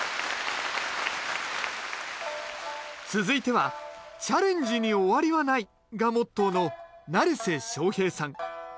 続いては「チャレンジに終わりはない」がモットーの成世昌平さん。